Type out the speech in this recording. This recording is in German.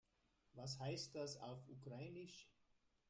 Was heißt das auf Ukrainisch?